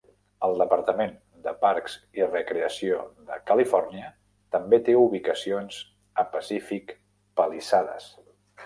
El Departament de parcs i recreació de Califòrnia també té ubicacions a Pacific Palisades.